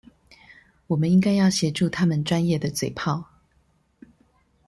我們應該要協助他們專業的嘴砲